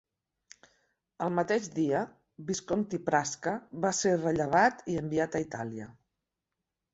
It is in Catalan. El mateix dia, Visconti Prasca va ser rellevat i enviat a Itàlia.